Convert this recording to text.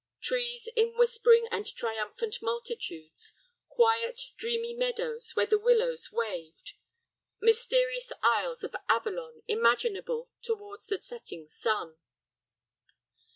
Trees in whispering and triumphant multitudes. Quiet, dreamy meadows where the willows waved. Mysterious Isles of Avalon imaginable towards the setting sun.